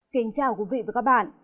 kính chào quý vị và các bạn